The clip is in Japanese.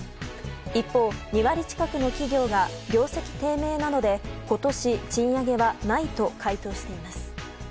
一方、２割近くの企業が業績低迷などで今年、賃上げはないと回答しています。